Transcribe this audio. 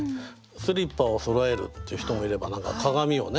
スリッパをそろえるっていう人もいれば何か鏡をね